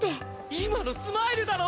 今のスマイルだろ！